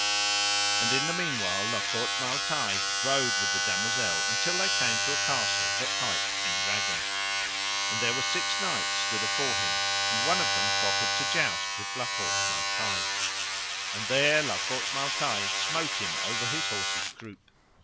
And in the meanwhile La Cote Male Taile rode with the damosel until they came to a castle that hight Pendragon; and there were six knights stood afore him, and one of them proffered to joust with La Cote Male Taile. And there La Cote Male Taile smote him over his horse's croup.